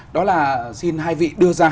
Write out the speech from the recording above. đó là xin hai vị đưa ra